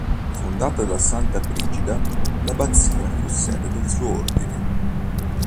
Fondata da santa Brigida, l'abbazia fu sede del suo Ordine.